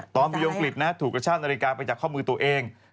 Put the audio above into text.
ตอนมีอังกฤษถูกกระชากนาฬิกาไปจากข้อมือตัวเอง